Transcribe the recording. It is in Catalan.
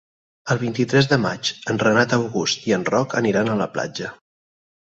El vint-i-tres de maig en Renat August i en Roc aniran a la platja.